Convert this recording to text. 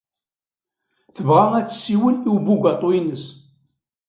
Tebɣa ad tessiwel i ubugaṭu-ines.